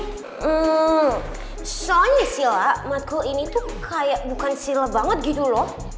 hmm soalnya sila matkul ini tuh kayak bukan sila banget gitu loh